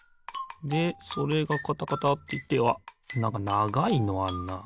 でそれがカタカタっていってあっなんかながいのあんな。